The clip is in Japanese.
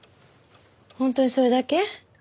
本当にそれだけ？